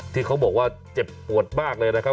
ที่เขาบอกว่าเจ็บปวดมากเลยนะครับ